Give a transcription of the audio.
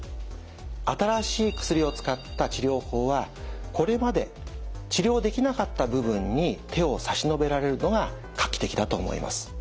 新しい薬を使った治療法はこれまで治療できなかった部分に手を差し伸べられるのが画期的だと思います。